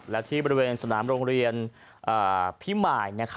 และที่บริเวณสนามโรงเรียนพิมาย